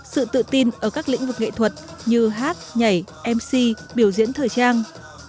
sự tự tin ở các lĩnh vực nghệ thuật như hát nhảy mc biểu diễn thời trang